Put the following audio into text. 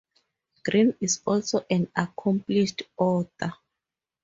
Green is also an accomplished author.